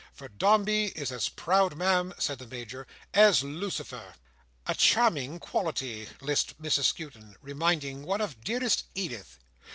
For Dombey is as proud, Ma'am," said the Major, "as Lucifer." "A charming quality," lisped Mrs Skewton; "reminding one of dearest Edith."